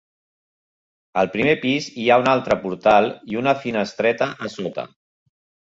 Al primer pis hi ha un altre portal i una finestreta a sota.